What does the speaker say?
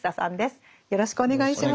よろしくお願いします。